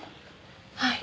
はい。